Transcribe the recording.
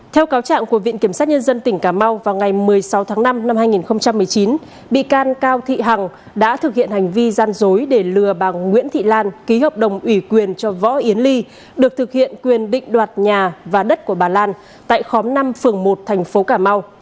theo cáo trạng của viện kiểm sát nhân dân tỉnh cà mau vào ngày một mươi sáu tháng năm năm hai nghìn một mươi chín bị can cao thị hằng đã thực hiện hành vi gian dối để lừa bà nguyễn thị lan ký hợp đồng ủy quyền cho võ yến ly được thực hiện quyền định đoạt nhà và đất của bà lan tại khóm năm phường một thành phố cà mau